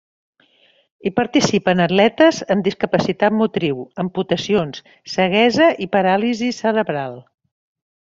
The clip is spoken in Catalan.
Hi participen atletes amb discapacitat motriu, amputacions, ceguesa i paràlisi cerebral.